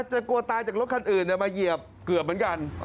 กลัวตายจากรถคันอื่นมาเหยียบเกือบเหมือนกัน